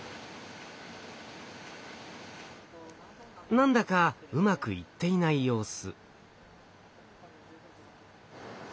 何だかうまくいっていない様子。